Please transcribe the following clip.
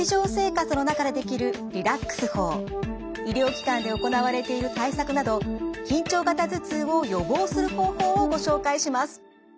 今日は医療機関で行われている対策など緊張型頭痛を予防する方法をご紹介します。